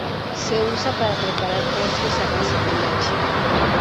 Se usa para preparar postres a base de leche.